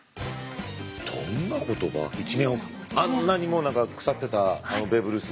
あんなに腐ってたあのベーブ・ルースが。